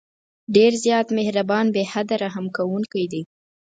ډېر زیات مهربان، بې حده رحم كوونكى دى.